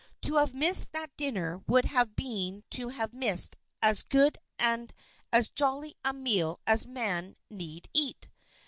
To have missed that dinner would have been to have missed as good and as jolly a meal as man need eat.